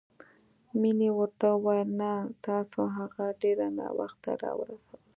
مينې ورته وويل نه، تاسو هغه ډېره ناوخته راورسوله.